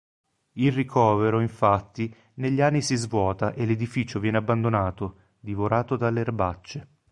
Il ricovero, infatti, negli anni si svuota e l'edificio viene abbandonato, divorato dalle erbacce.